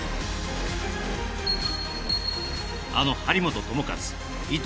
あの張本智和伊藤